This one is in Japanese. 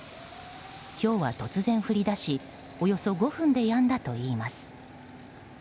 ひょうは突然降り出しおよそ５分でやんだといいます。